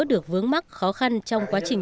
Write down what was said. được vướng mắt khó khăn trong quá trình